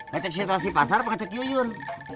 ngecek situasi pasar apa ngecek yuyun